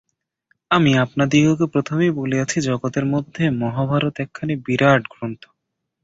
আমি আপনাদিগকে প্রথমেই বলিয়াছি, জগতের মধ্যে মহাভারত একখানি বিরাট গ্রন্থ।